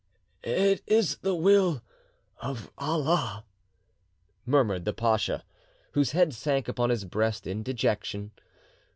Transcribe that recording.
"It is the will of Allah!" murmured the pacha; whose head sank upon his breast in dejection.